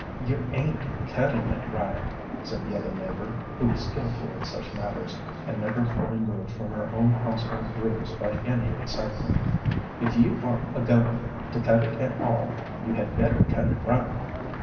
"You ain't cutting it right," said the other neighbor, who was skilful in such matters, and never fully moved from her own household grooves by any excitement. "If you are a goin' to cut it at all, you had better cut it right."